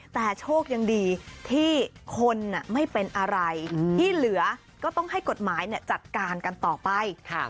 แต่โชคยังดีที่คนไม่เป็นอะไรที่เหลือก็ต้องให้กฎหมายจัดการกันต่อไป